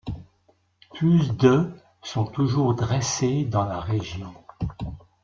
Plus de sont toujours dressées dans la région.